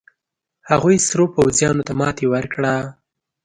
هغوې سرو پوځيانو ته ماتې ورکړه.